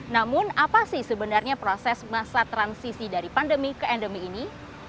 namun apa sih sebenarnya proses masa transisi dari pandemi ke endemi ini